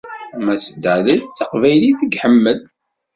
Mass Dallet d taqbaylit i iḥemmel!